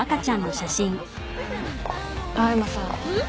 青山さん。